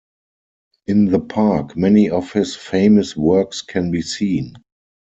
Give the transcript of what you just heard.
In the park many of his famous works can be seen.